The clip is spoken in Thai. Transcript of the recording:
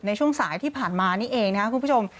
ในช่วงสายที่ผ่านมานี่เองนะครับคุณผู้ชม